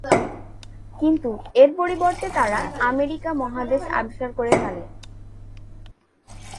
কিন্তু এর পরিবর্তে তারা আমেরিকা মহাদেশ আবিষ্কার করে ফেলে।